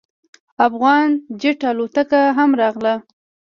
افغان جیټ الوتکه هم راغله.